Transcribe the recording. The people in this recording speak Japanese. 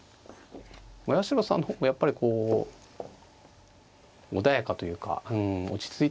八代さんの方もやっぱりこう穏やかというか落ち着いてますよね。